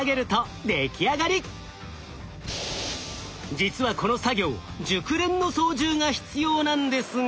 実はこの作業熟練の操縦が必要なんですが。